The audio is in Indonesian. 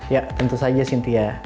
ya tentu saja sintia